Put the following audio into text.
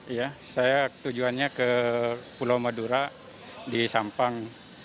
iya saya tujuannya ke pulau madura di sampang